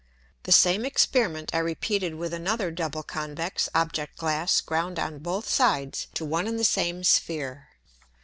The same Experiment I repeated with another double convex Object glass ground on both sides to one and the same Sphere.